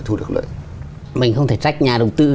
thu được nữa mình không thể trách nhà đầu tư